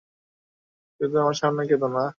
শুধু আমার সামনে কেদো না।